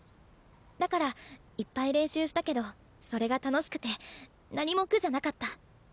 だからいっぱい練習したけどそれが楽しくて何も苦じゃなかった。